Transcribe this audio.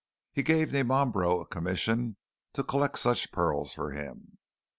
He gave Dimambro a commission to collect such pearls for him.